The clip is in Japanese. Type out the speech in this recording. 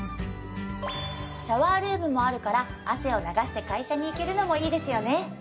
シャワールームもあるから汗を流して会社に行けるのもいいですよね。